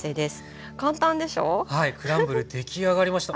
クランブル出来上がりました。